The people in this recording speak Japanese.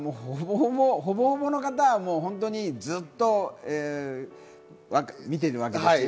ほぼほぼの方はずっと見ているわけですよね。